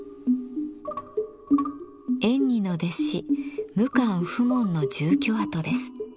円爾の弟子無関普門の住居跡です。